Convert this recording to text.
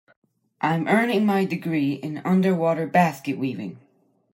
I'm earning my degree in underwater basket weaving.